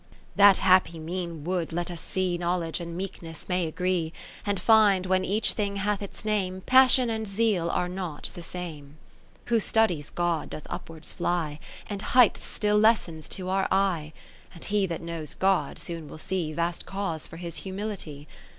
XVII That happy mean would let us see Knowledge and Meekness may agree ; And find, when each thing hath its name, Passion and Zeal are not the same. XVIII Who studies God doth upwards fly, And heighth still lessens to our eye ; And he that knows God, soon will see 71 Vast cause for his humility.